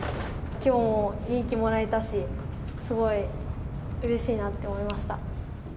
きょうも勇気もらえたし、すごいうれしいなって思いました。